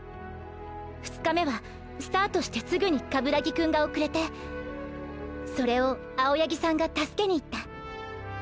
２日目はスタートしてすぐに鏑木くんが遅れてーーそれを青八木さんが助けに行った。